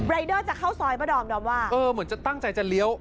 เดอร์จะเข้าซอยป้าดอมดอมว่าเออเหมือนจะตั้งใจจะเลี้ยว